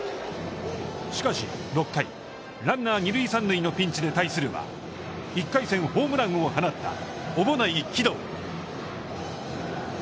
しかし、６回、ランナー二塁三塁のピンチで対するは、１回戦、ホームランを放った小保内貴堂。